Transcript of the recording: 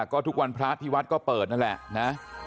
ก็ทุกวันพระอธิวัตริย์ก็เปิดนั่นแหละ